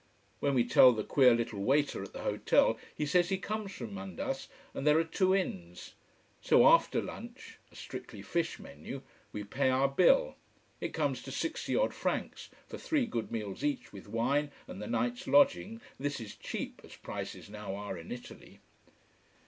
When we tell the queer little waiter at the hotel, he says he comes from Mandas, and there are two inns. So after lunch a strictly fish menu we pay our bill. It comes to sixty odd francs for three good meals each, with wine, and the night's lodging, this is cheap, as prices now are in Italy.